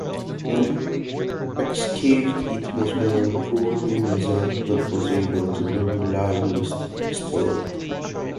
When excavated it was very poorly reserved but was able to be reliably restored.